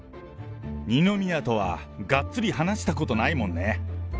二宮とはがっつり話したことないもんね。